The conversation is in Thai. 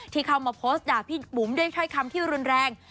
ที่เข้ามาโพสต์ด่าพี่บุ๋มด้วยถ้อยคำที่รุนแรง